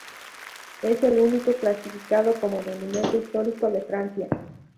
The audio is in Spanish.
Es el único clasificado como Monumento histórico de Francia.